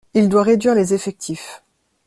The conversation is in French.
Il doit réduire les effectifs.